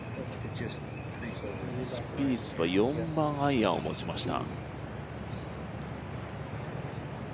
スピースは４番アイアンを持ちました。